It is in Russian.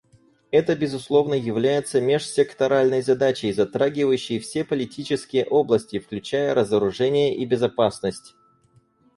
Это, безусловно, является межсекторальной задачей, затрагивающей все политические области, включая разоружение и безопасность.